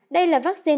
đây là vắc xin